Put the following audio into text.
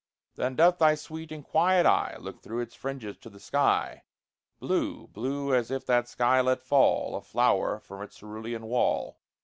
Then doth thy sweet and quiet eye Look through its fringes to the sky, Blue blue as if that sky let fall A flower from its cerulean wall.